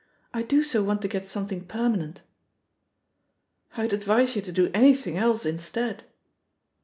"I do so want to get some thing permanent." "I'd advise you to do anything else instead."